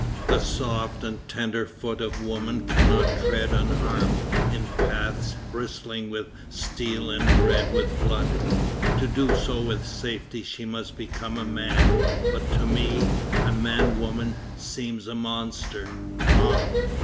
The soft and tender foot of woman cannot tread unharmed in paths bristling with steel and red with blood. To do so with safety she must become a man; but to me, a man woman seems a monster. Ah!